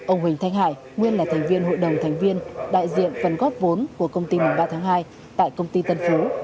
ông huỳnh thanh hải nguyên là thành viên hội đồng thành viên đại diện phần góp vốn của công ty mùng ba tháng hai tại công ty tân phú